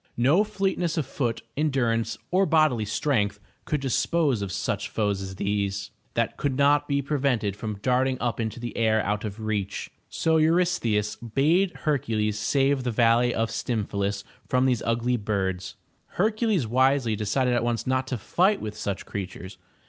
No fleetness of foot, endur ance, or bodily strength could dispose of such foes as these, that could not be prevented from darting up into the air out of reach. So Eurystheus bade Hercules save the valley of Stymphalus from these ugly birds. Hercules wisely decided at once not to fight with such creatures.